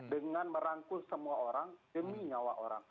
dengan merangkul semua orang demi nyawa orang